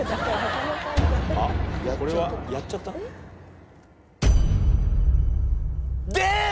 あっこれはやっちゃった？です！